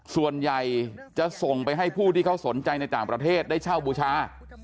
ส่วนใหญ่จะส่งไปให้ผู้ที่เขาสนใจในต่างประเทศได้เช่าบูชา